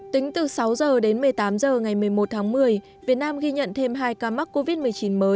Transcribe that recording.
tính từ sáu h đến một mươi tám h ngày một mươi một tháng một mươi việt nam ghi nhận thêm hai ca mắc covid một mươi chín mới